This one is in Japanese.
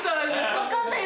分かんないよ